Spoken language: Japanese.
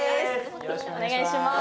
よろしくお願いします。